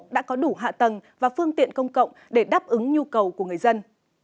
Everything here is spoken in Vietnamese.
đã có đủ hạ tầng và phương tiện công cộng để đáp ứng nhu cầu của người dân